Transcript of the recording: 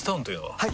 はい！